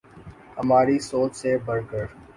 ہماری سوچ سے بڑھ کر